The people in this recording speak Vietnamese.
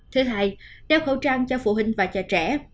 thứ hai đeo khẩu trang cho phụ huynh và cho trẻ